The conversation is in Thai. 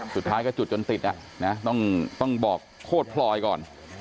สุดท้ายก็จุดจนติดต้องบอกโคตรพลอยก่อน